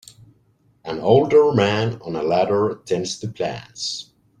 An older man on a ladder tends to plants